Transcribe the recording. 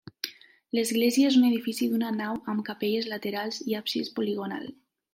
L'església és un edifici d'una nau amb capelles laterals i absis poligonal.